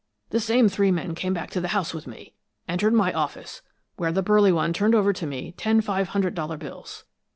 The same three men came back to the house with me, and entered my office, where the burly one turned over to me ten five hundred dollar bills.